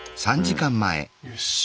よし。